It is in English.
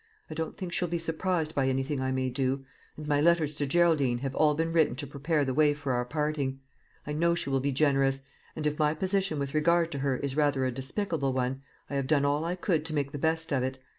I don't think she'll be surprised by anything I may do; and my letters to Geraldine have all been written to prepare the way for our parting. I know she will be generous; and if my position with regard to her is rather a despicable one, I have done all I could to make the best of it.